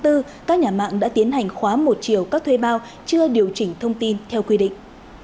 một tháng bốn các nhà mạng đã tiến hành khóa một triệu các thuê bao chưa điều chỉnh thông tin theo quy định